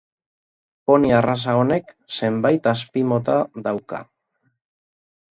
Poni arraza honek zenbait azpimota dauka.